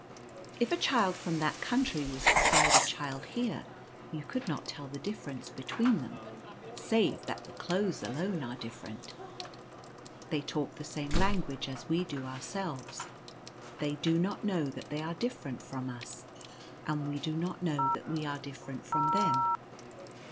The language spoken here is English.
If a child from that Country was beside a child here you could not tell the difference between them, save that the clothes alone are different. They talk the same language as we do ourselves. They do not know that they are different from us ; and we do not know that we are different from them.